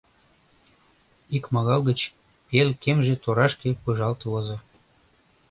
Икмагал гыч пел кемже торашке пыжалт возо.